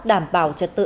đảm bảo trật tự